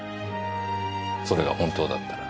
それが本当だったら。